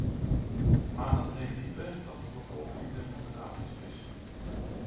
Maar dat neemt niet weg dat de bevolking democratisch is.